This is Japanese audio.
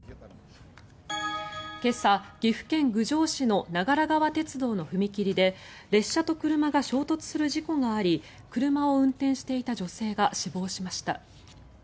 今朝、岐阜県郡上市の長良川鉄道の踏切で列車と車が衝突する事故があり車を運転していた女性が死亡しました。